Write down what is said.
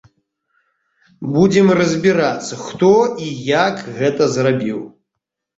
Будзем разбірацца, хто і як гэта зрабіў.